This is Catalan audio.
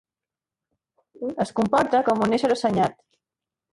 Es comporta com un ésser assenyat.